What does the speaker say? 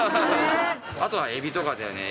あとはエビとかだよね。